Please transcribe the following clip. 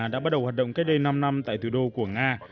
đã bắt đầu hoạt động cách đây năm năm tại thủ đô của nga